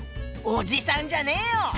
おじさんじゃねえよ！